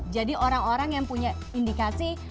jadi orang orang yang punya indikasi